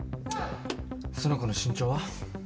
その子の身長は？